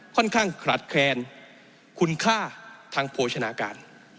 ค่อนข้างขาดแคลนคุณค่าทางโภชนาการ